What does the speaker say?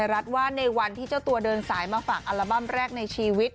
รัฐว่าในวันที่เจ้าตัวเดินสายมาฝากอัลบั้มแรกในชีวิต